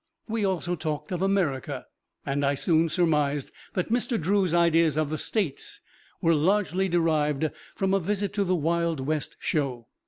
We also talked of America, and I soon surmised that Mr. Drew's ideas of "The States" were largely derived from a visit to the Wild West Show.